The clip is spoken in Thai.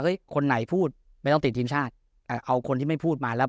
คนไหนพูดไม่ต้องติดทีมชาติเอาคนที่ไม่พูดมาแล้ว